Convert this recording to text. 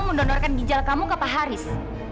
kamu mendonorkan gijal kamu ke pak haris